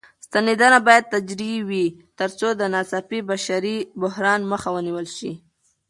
ستنېدنه بايد تدريجي وي تر څو د ناڅاپي بشري بحران مخه ونيول شي.